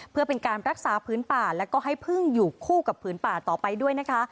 เพื่อเป็นการรักษาพื้นป่าแล้วก็ให้พึ่งอยู่คู่กับผืนป่าต่อไปด้วยนะคะ